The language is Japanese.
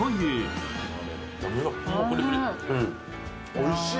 おいしい。